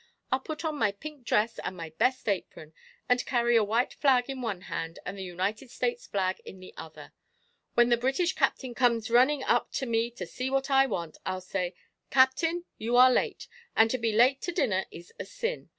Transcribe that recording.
I'll put on my pink dress and my best apron, and carry a white flag in one hand and the United States flag in the other. When the British captain comes running up to me to see what I want, I'll say: 'Captain, you are late, and to be late to dinner is a sin.